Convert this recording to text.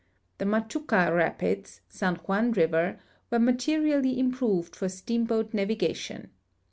The Machuca rapids, San Juan riA'er, Avere materially improved for steamboat naAuga tion.